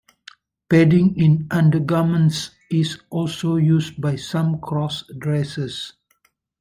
Padding in undergarments is also used by some cross-dressers.